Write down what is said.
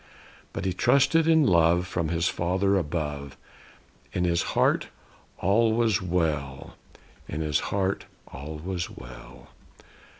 But he trusted in love, from his Father above. In his heart, all was well; in his heart, all was well.